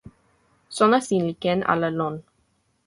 sona sin li ken ala lon.